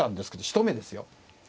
一目ですよ。